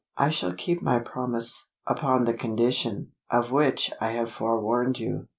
"I shall keep my promise upon the condition, of which I have forewarned you."